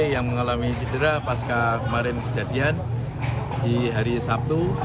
yang mengalami cedera pasca kemarin kejadian di hari sabtu